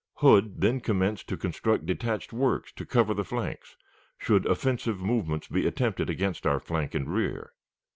Hood then commenced to construct detached works to cover the flanks, should offensive movements be attempted against our flank and rear.